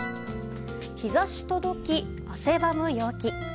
日差し届き、汗ばむ陽気。